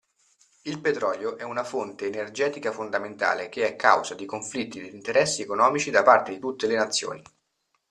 Il petrolio è una fonte energetica fondamentale che è causa di conflitti ed interessi economici da parte di tutte le nazioni.